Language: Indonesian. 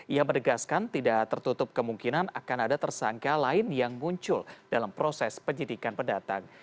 ia menegaskan tidak tertutup kemungkinan akan ada tersangka lain yang muncul dalam proses penyidikan pendatang